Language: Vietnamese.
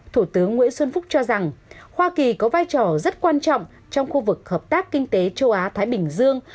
thủ tướng nguyễn xuân phúc cho rằng hoa kỳ có vai trò rất quan trọng trong khu vực hợp tác kinh tế châu á thái bình dương